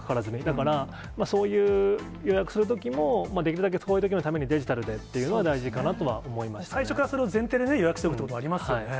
だから、そういう予約するときも、できるだけ、そういうときのためにデジタルでっていうのは大事か最初から、それを前提で予約してるってこともありますよね。